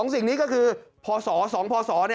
๒สิ่งนี้ก็คือพอสอ๒พอสอ